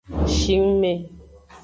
Shingme.